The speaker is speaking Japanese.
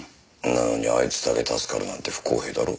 なのにあいつだけ助かるなんて不公平だろ？